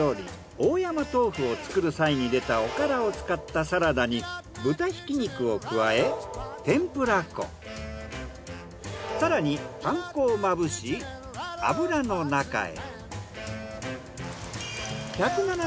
大山豆腐を作る際に出たおからを使ったサラダに豚ひき肉を加え天ぷら粉更にパン粉をまぶし油の中へ。